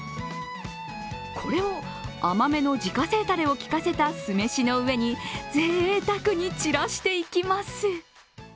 これを甘めの自家製タレをきかせた酢飯の上にぜいたくにちらしていきます。